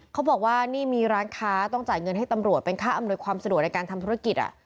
เขาบอกว่านี่มีร้านค้าต้องจ่ายเงินให้ตำรวจเป็นค่าอำนวยความสะดวกในการทำธุรกิจ